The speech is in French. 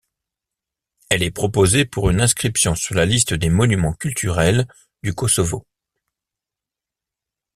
Elle est proposée pour une inscription sur la liste des monuments culturels du Kosovo.